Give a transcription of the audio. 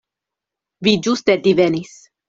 Vi ĝuste divenis.